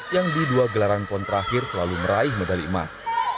yang di dua gelaran pon terakhir selalu meraih medali emas